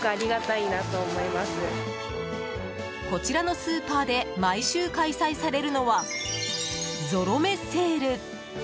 こちらのスーパーで毎週開催されるのはゾロ目セール。